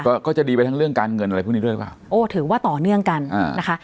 ก็ก็จะดีไปทั้งเรื่องการเงินอะไรพวกนี้ด้วยหรือเปล่าโอ้ถือว่าต่อเนื่องกันอ่านะคะ